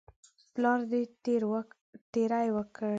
پلار دې تیری وکړي.